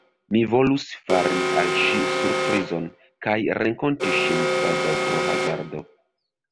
Mi volus fari al ŝi surprizon, kaj renkonti ŝin kvazaŭ pro hazardo.